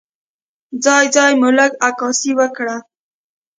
ځای ځای مو لږه عکاسي وکړه.